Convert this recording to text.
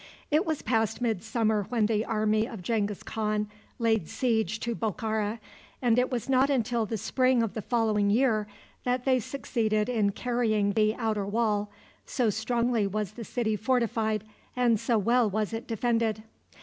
It was past midsummer when the army of Genghis Khan laid siege to Bokhara, and it was not until the spring of the following year that they succeeded in carrying the outer wall, so strongly was the city fortified and so well was it defended.